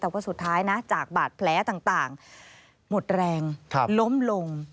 แต่ว่าสุดท้ายนะจากบาดแผลต่างหมดแรงล้มลง